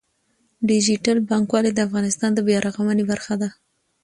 ډیجیټل بانکوالي د افغانستان د بیا رغونې برخه ده.